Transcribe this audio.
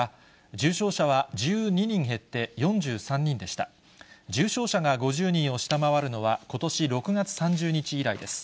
重症者が５０人を下回るのは、ことし６月３０日以来です。